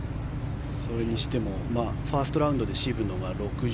それにしてもファーストラウンドで渋野が６５